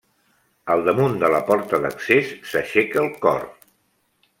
Al damunt de la porta d'accés s'aixeca el cor.